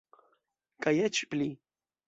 Kaj eĉ pli!